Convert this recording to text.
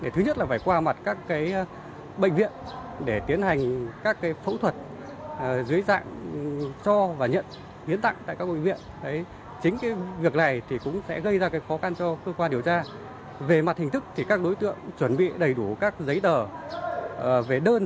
thứ nhất là phải qua mặt các bệnh viện để tiến hành các phẫu thuật dưới dạng cho và nhận hiến tạng tại các bệnh viện